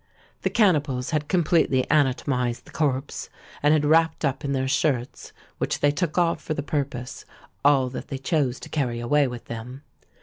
The cannibals had completely anatomised the corpse, and had wrapped up in their shirts (which they took off for the purpose) all that they chose to carry away with them.